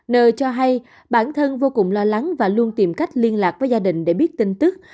n cho hay bản thân vô cùng lo lắng và luôn tìm cách liên lạc với gia đình để biết tin tức